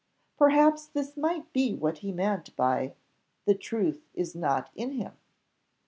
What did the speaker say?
Perhaps this might be what he meant by "the truth is not in him."